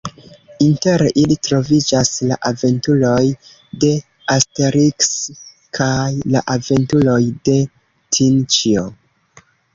Inter ili troviĝas la Aventuroj de Asteriks, kaj la Aventuroj de Tinĉjo.